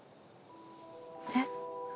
えっ？